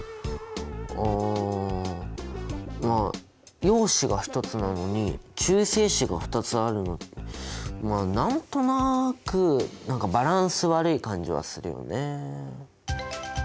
うんまあ陽子が１つなのに中性子が２つあるのってまあ何となく何かバランス悪い感じはするよね。